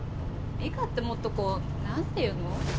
美香ってもっとこう何ていうの？